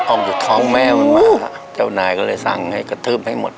ออกจากท้องแม่มันมาเจ้านายก็เลยสั่งให้กระทืบให้หมด